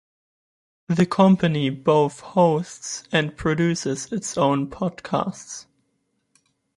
The company both hosts and produces its own podcasts.